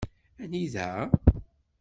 Anida?